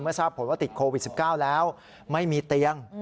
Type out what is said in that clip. ทราบผลว่าติดโควิด๑๙แล้วไม่มีเตียง